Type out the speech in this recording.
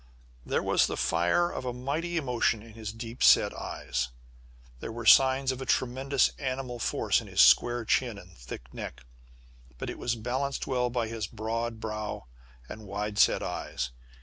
There was the fire of a mighty emotion in his deep set eyes. There were signs of a tremendous animal force in his square chin and thick neck, but it was balanced well by his broad brow and wide set eyes.